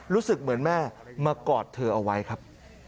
รู้สึกเหมือนแม่มากอดเธอเอาไว้ครับ